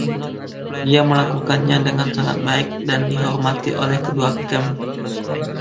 Dia melakukannya dengan sangat baik dan dihormati oleh kedua kamp.